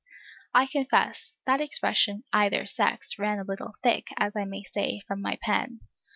I confess, that expression, "either sex," ran a little thick, as I may say, from my pen.